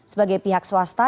sebagai pihak swasta